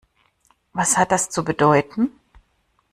Was hat das zu bedeuten?